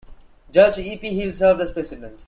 Judge E. P. Hill served as president.